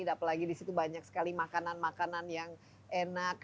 dan apalagi di situ banyak sekali makanan makanan yang enak